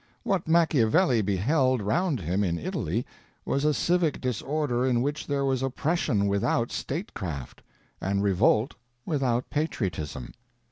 What Machiavelli beheld round him in Italy was a civic disorder in which there was oppression without statecraft, and revolt without patriotism.